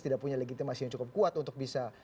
tidak punya legitimasi yang cukup kuat untuk bisa